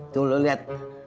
tuh lo liat